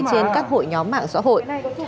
trên các hội nhóm mạng xã hội